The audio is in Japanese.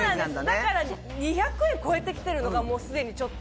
だから２００円超えてきてるのがもうすでにちょっと。